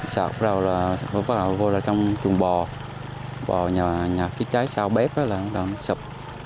sạc vào trong tường bò bò nhà phía trái sau bếp là sập